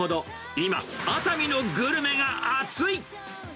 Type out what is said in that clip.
今、熱海のグルメが熱い。